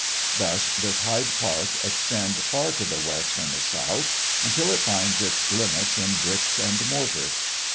Thus does Hyde Park extend far to the west and the south, until it finds its limits in bricks and mortar.